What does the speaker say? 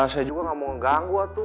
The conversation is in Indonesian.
saya juga gak mau ngeganggu atuh